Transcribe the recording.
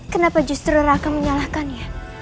kenapa justru rakah menyalahkannya